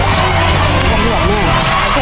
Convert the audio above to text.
ครอบครัวของแม่ปุ้ยจังหวัดสะแก้วนะครับ